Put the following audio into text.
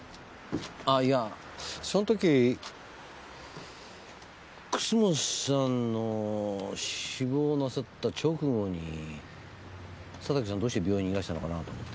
あぁいやその時楠本さんの死亡なさった直後に佐竹さんどうして病院にいらしたのかなと思って。